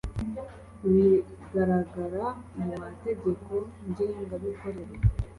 bigaragara mu mategeko ngenga mikorere